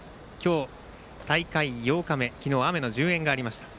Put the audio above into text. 今日、大会８日目昨日、雨の順延がありました。